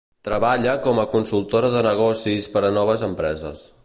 Treballa com a consultora de negocis per a noves empreses.